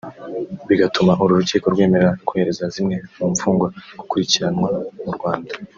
bigatuma uru rukiko rwemera kohereza zimwe mu mfungwa gukurikiranwa mu Rwanda